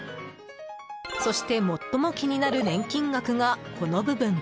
そして最も気になる年金額がこの部分。